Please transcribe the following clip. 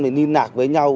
liên lạc với nhau